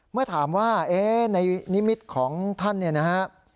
เมื่อถามว่าในนิมิตของท่านเนี่ยนะฮะ